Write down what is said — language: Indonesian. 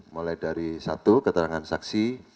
mulai dari satu keterangan saksi